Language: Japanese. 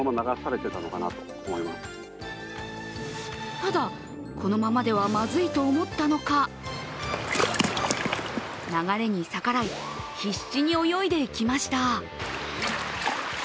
ただ、このままではまずいと思ったのか流れに逆らい必死に泳いでいきました。